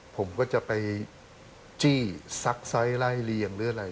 ผมก็จะไปจี้ซักไซส์ไล่เลียงหรืออะไร